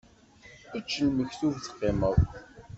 Ečč lmektub teqqimeḍ.